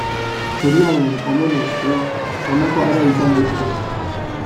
Txoriaren omenez-edo, honakoa ere izan daiteke.